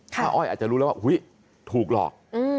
อ้อยอาจจะรู้แล้วว่าถูกหลอก